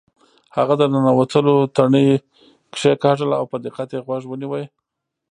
هغه د ننوتلو تڼۍ کیکاږله او په دقت یې غوږ ونیو